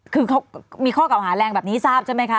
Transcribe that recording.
คือเขามีข้อเก่าหาแรงแบบนี้ทราบใช่ไหมคะ